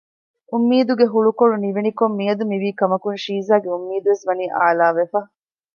އުންމީދުގެ ހުޅުކޮޅު ނިވެނިކޮށް މިއަދު މިވީ ކަމަކުން ޝީޒާގެ އުންމީދުވެސް ވަނީ އާލާވެފަ